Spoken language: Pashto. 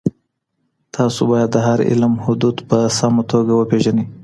تاسو باید د هر علم حدود په سمه توګه وپېژنئ.